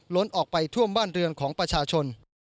ออกไปท่วมบ้านเรือนของประชาชน